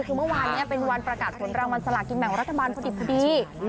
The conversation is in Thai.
เพราะว่าเมื่อวานเป็นวันประกาศสวนรางวัลสลากินแบบรัฐบาลพฤติภูมิดี